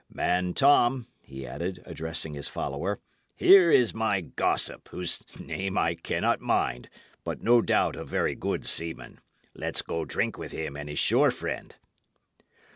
Man Tom," he added, addressing his follower, "here is my gossip, whose name I cannot mind, but no doubt a very good seaman. Let's go drink with him and his shore friend."